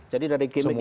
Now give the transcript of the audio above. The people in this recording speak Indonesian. jadi dari gimmick yang